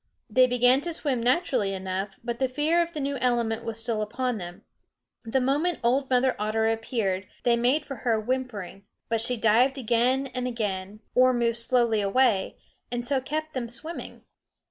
They began to swim naturally enough, but the fear of the new element was still upon them. The moment old Mother Otter appeared they made for her whimpering, but she dived again and again, or moved slowly away, and so kept them swimming.